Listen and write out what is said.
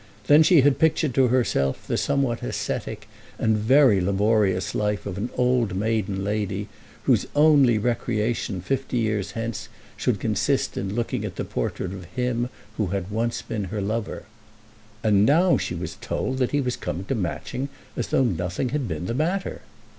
Then she had pictured to herself the somewhat ascetic and very laborious life of an old maiden lady whose only recreation fifty years hence should consist in looking at the portrait of him who had once been her lover. And now she was told that he was coming to Matching as though nothing had been the matter!